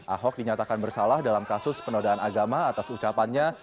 ahok dinyatakan bersalah dalam kasus penodaan agama atas ucapannya